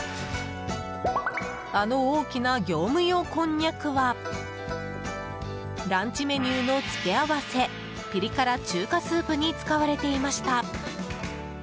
あの大きな業務用こんにゃくはランチメニューの付け合わせピリ辛中華スープに使われていました。